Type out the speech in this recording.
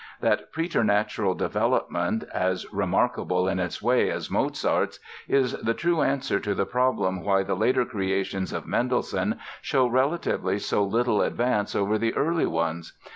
That preternatural development, as remarkable in its way as Mozart's, is the true answer to the problem why the later creations of Mendelssohn show relatively so little advance over the early ones.